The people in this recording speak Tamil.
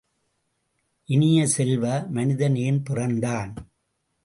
இனிய செல்வ, மனிதன் ஏன் பிறந்தான்?